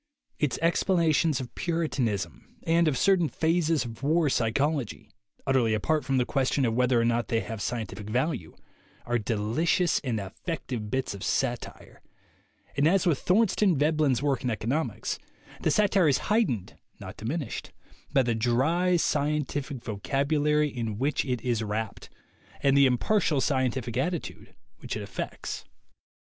Its explanations of puritanism and of certain phases of war psychology, utterly apart from the question of whether or not they have scientific value, are delicious and effective bits of satire; and, as with Thor stein Veblen's work in economics, the satire is heightened, not diminished, by the dry, scientific vocabulary in which it is wrapped and the impartial scientific attitude which it affects.